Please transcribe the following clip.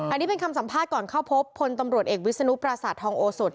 อันนี้เป็นคำสัมภาษณ์ก่อนเข้าพบพลตำรวจเอกวิศนุปราศาสตทองโอสด